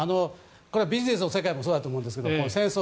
これはビジネスの世界もそうだと思いますが戦争